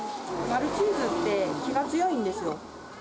マルチーズって、気が強いんですよ。